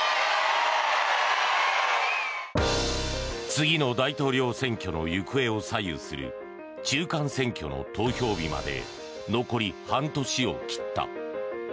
次の大統領選挙の行方を左右する中間選挙の投票日まで残り半年を切った。